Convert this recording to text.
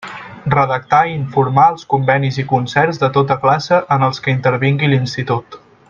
Redactar i informar els convenis i concerts de tota classe en els que intervingui l'Institut.